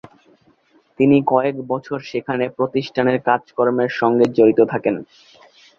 তিনি কয়েক বছর সেখানে প্রতিষ্ঠানের কাজকর্মের সঙ্গে জড়িত থাকেন।